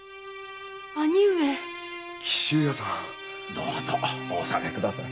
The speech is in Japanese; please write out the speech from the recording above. どうぞお納めください。